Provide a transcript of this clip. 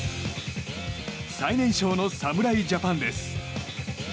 最年少の侍ジャパンです。